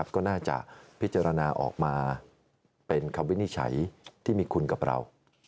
ก็น่าจะพิจารณาออกมาเป็นคำวินิจฉัยที่มีคุณกับเรา